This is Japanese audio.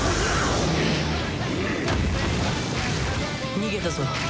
逃げたぞ。